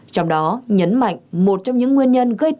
trong đó nhấn mạnh một trong những nguyên nhân gây đến bệnh nhân nặng